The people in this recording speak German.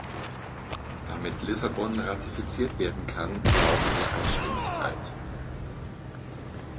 Damit Lissabon ratifiziert werden kann, brauchen wir Einstimmigkeit.